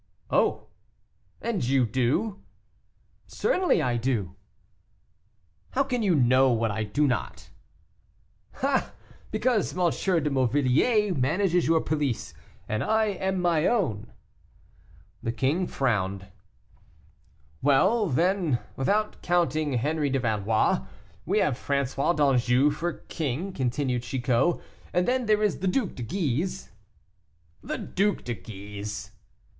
"Oh! and you do?" "Certainly I do." "How can you know what I do not?" "Ah! because M. de Morvilliers manages your police, and I am my own." The king frowned. "Well, then, without counting Henri de Valois, we have François d'Anjou for king," continued Chicot; "and then there is the Duc de Guise." "The Duc de Guise!"